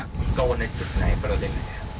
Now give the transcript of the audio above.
มีโก้ในจุดไหนประเด็นไหนครับ